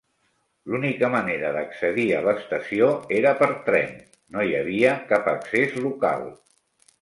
L'única manera d'accedir a l'estació era per tren; no hi havia cap accés local.